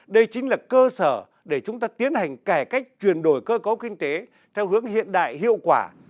đây chính là cơ sở để chúng ta tiến hành cải cách truyền đổi cơ cấu kinh tế theo hướng hiện đại hiệu quả